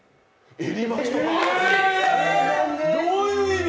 どういう意味！？